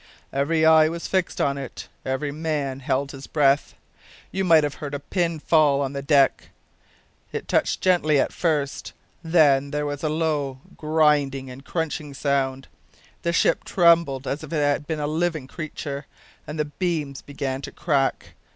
Every eye was fixed on it every man held his breath. You might have heard a pin fall on the deck. It touched gently at first, then there was a low grindin' and crunchin' sound. The ship trembled as if it had been a livin' creetur, and the beams began to crack.